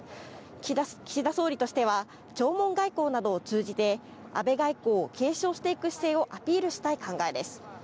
岸田総理としては弔問外交などを通じて安倍外交を継承していく姿勢をアピールしたい考えです。